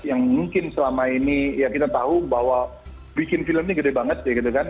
yang mungkin selama ini ya kita tahu bahwa bikin film ini gede banget kayak gitu kan